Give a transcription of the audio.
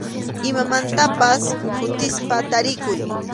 Imamantapas phutisqa tarikuy.